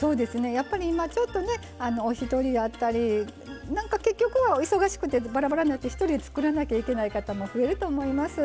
やっぱり今ちょっとねおひとりやったりなんか結局は忙しくてばらばらになってひとりで作らなきゃいけない方も増えると思います。